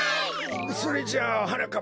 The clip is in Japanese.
それじゃあはなかっ